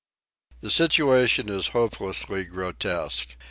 The situation is hopelessly grotesque.